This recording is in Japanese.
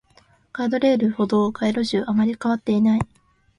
ガードレール、歩道、街路樹、あまり変わっていない